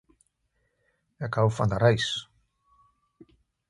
Ek hou van reis